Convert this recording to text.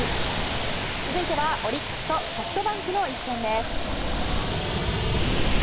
続いてはオリックスとソフトバンクの一戦です。